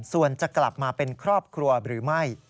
ส่วนจะกลับมาเป็นครอบครัวหรือไม่